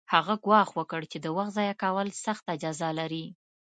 هغه ګواښ وکړ چې د وخت ضایع کول سخته جزا لري